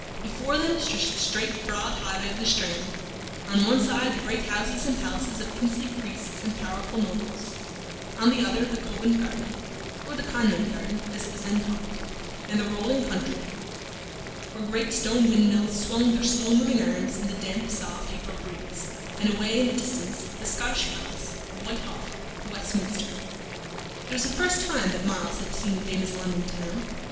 Before them stretched the straight, broad highway of the Strand, on one side the great houses and palaces of princely priests and powerful nobles; on the other the Covent Garden, (or the Convent Garden, as it was then called), and the rolling country, where great stone windmills swung their slow moving arms in the damp, soft April breeze, and away in the distance the Scottish Palace, the White Hall, and Westminster. It was the first time that Myles had seen famous London town.